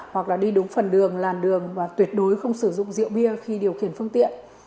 hoặc là đi đúng phần đường làn đường và tuyệt đối không sử dụng rượu bia khi điều khiển phương tiện